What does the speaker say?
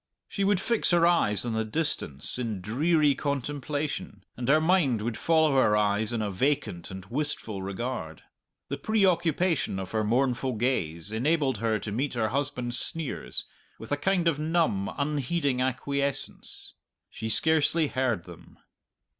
She would fix her eyes on the distance in dreary contemplation, and her mind would follow her eyes in a vacant and wistful regard. The preoccupation of her mournful gaze enabled her to meet her husband's sneers with a kind of numb, unheeding acquiescence. She scarcely heard them.